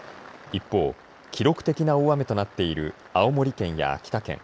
一方、記録的な大雨となっている青森県や秋田県。